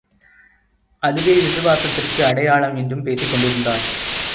அதுவே விசுவாசத்திற்கு அடையாளம் என்றும் பேசிக்கொண்டிருந்தார்.